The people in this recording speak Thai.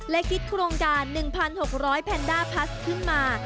และคิดโครงการ๑๖๐๐แพนด้าพลัสขึ้นมา